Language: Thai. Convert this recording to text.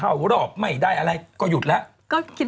อะไรก็แน่นอน